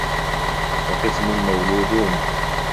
وَقِسْمٌ مَوْلُودُونَ